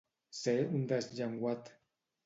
Ser un desllenguat.